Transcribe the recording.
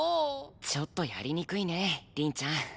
ちょっとやりにくいね凛ちゃん。